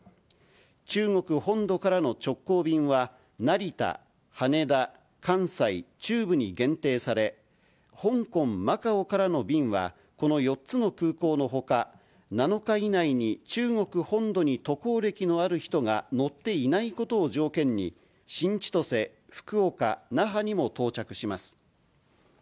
中国本土からの直行便は、成田、羽田、関西、中部に限定され、香港・マカオからの便は、この４つの空港のほか、７日以内に中国本土に渡航歴のある人が乗っていないことを条件に、新千歳、福岡、那覇にも到着します。